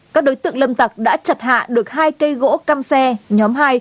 các đối tượng lâm tặc đã chặt hạ được hai cây gỗ cam xe nhóm hai